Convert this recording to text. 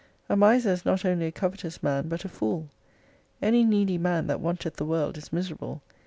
A miser is not only a covetous man but a fool. Any needy man, that wanteth the world, is miserable.